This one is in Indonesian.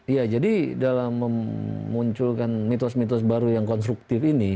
iya jadi dalam memunculkan mitos mitos baru yang konstruktif ini